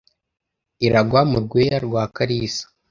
Iragwa mu Rweya rwa Kalisa